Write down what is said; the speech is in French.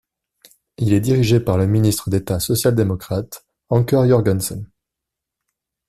Il est dirigé par le ministre d'État social-démocrate Anker Jørgensen.